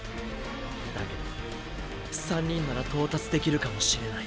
だけど３人なら到達できるかもしれない。